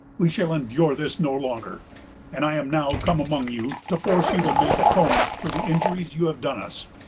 We shall endure this no longer; and I am now come among you to force you to make atonement for the injuries you have done us.